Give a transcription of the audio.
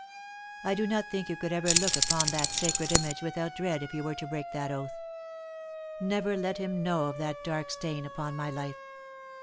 I do not think you could ever look upon that sacred image without dread if you were to break that oath. Never let him know of that dark stain upon my life.